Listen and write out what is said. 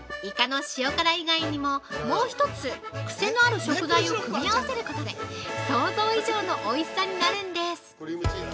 イカの塩辛以外にも、もう一つクセのある食材を組み合わせることで、想像以上のおいしさになるんです。